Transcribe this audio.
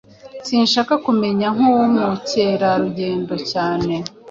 Sinshaka kumera nkumukerarugendo cyane.